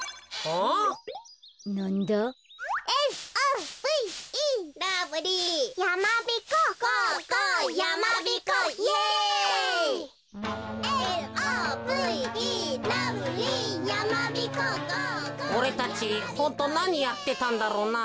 おれたちホントなにやってたんだろうな。